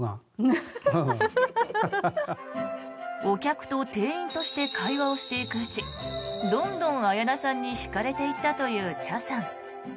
お客と店員として会話をしていくうちどんどん綾菜さんに引かれていったという茶さん。